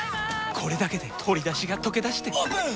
これだけで鶏だしがとけだしてオープン！